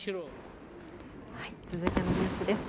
続いてのニュースです。